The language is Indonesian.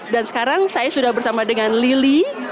dan sekarang saya sudah bersama dengan lili